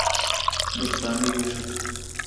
درخانۍ ویښه کړه